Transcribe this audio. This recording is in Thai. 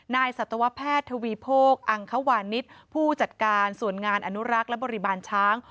สัตวแพทย์ทวีโภคอังควานิสผู้จัดการส่วนงานอนุรักษ์และบริบาลช้าง